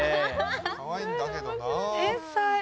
かわいいんだけどな。